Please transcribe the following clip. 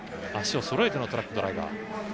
足をそろえてのトラックドライバー。